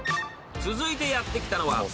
［続いてやって来たのは］